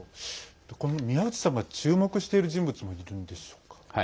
宮内さんが注目している人物もいるんでしょうか。